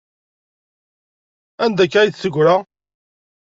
Anda akka ay d-teggra?